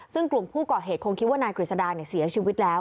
ซึ่งกลุ่มผู้ก่อเหตุคงคิดว่านายกฤษดาเสียชีวิตแล้ว